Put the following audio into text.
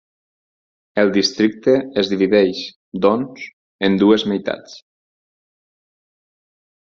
El districte es divideix, doncs, en dues meitats.